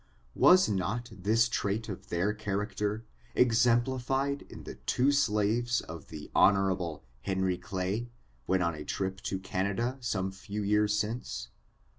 Was not this trait of their character exemplified in the two slaves of the Hon. Henry Clay, when on a trip to Canada, some few years since